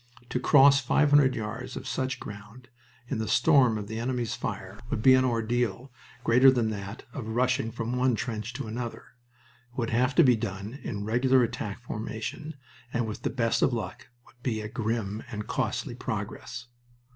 To cross five hundred yards of such ground in the storm of the enemy's fire would be an ordeal greater than that of rushing from one trench to another. It would have to be done in regular attack formation, and with the best of luck would be a grim and costly progress.